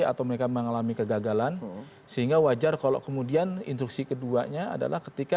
atau mereka mengalami kegagalan sehingga wajar kalau kemudian instruksi keduanya adalah ketika